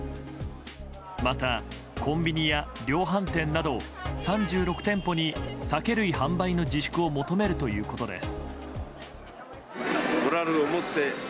また、コンビニや量販店など３６店舗に酒類販売の自粛を求めるということです。